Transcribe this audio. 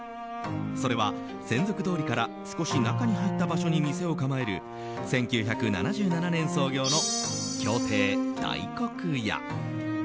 それは、千束通りから少し中に入った場所に店を構える１９７７年創業の蕎亭大黒屋。